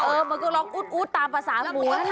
เออมันก็ร้องอุ๊ดตามภาษาหมุนแหละ